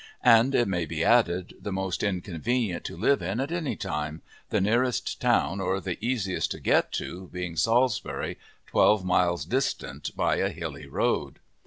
And, it may be added, the most inconvenient to live in at any time, the nearest town, or the easiest to get to, being Salisbury, twelve miles distant by a hilly road.